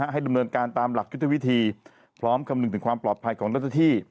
ให้ดำเนินการตามหลักยุทธวิธีพร้อมกำลึงถึงความปลอดภัยของรัฐธิ